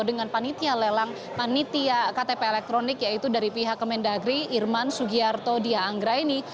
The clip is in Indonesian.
dengan panitia lelang panitia ktp elektronik yaitu dari pihak kemendagri irman sugiyarto diyanggra ini